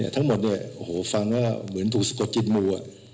ทั้งหมดเนี่ยฟังว่าเหมือนถูกสกดจิตหมู่